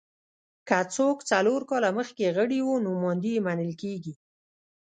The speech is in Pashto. که څوک څلور کاله مخکې غړي وو نوماندي یې منل کېږي